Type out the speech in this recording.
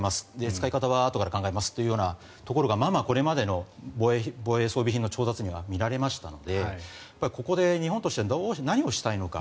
使い方はこれから考えますというところがまま、これまでの防衛装備品の調達には見られましたのでここで日本として何をしたいのか。